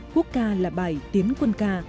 quốc ca là bài tiến quân ca